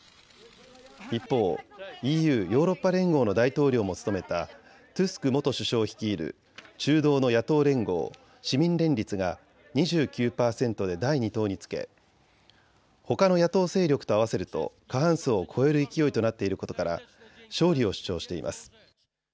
一方、ＥＵ・ヨーロッパ連合の大統領も務めたトゥスク元首相率いる中道の野党連合、市民連立が２９％で第２党につけほかの野党勢力と合わせると過半数を超える勢いとなっていることから勝利を主張しています。